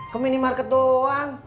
ke minimarket doang